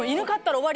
終わり？